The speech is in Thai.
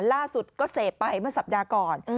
ล่าสุดก็เสพไปเมื่อสัปดาห์ก่อน